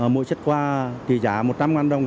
mỗi xuất qua tỷ giá một trăm linh đồng